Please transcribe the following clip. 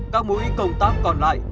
các mũi công tác còn lại